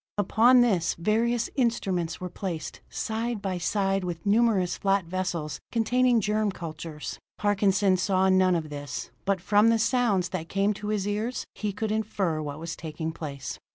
Upon this various instruments were placed, side by side with numerous flat vessels containing germ cultures. Parkinson saw none of this, but from the sounds that came to his ears he could infer what was taking place.